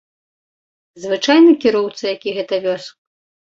Звычайны кіроўца, які гэта вёз.